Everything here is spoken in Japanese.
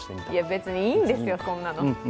別にいいんですよ、そんなの。